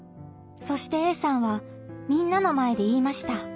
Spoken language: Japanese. そしてＡさんはみんなの前で言いました。